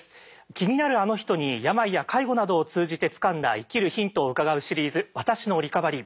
気になるあの人に病や介護などを通じてつかんだ生きるヒントを伺うシリーズ「私のリカバリー」。